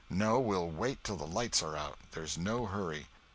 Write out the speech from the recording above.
No—we'll wait till the lights are out—there's no hurry."